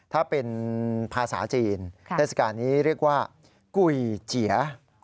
ถ้าเป็นภาษาจีนเทศกาลนี้เรียกว่ากุยเจีย